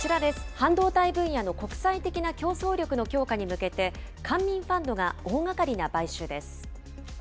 半導体分野の国際的な競争力の強化に向けて、官民ファンドが大がかりな買収です。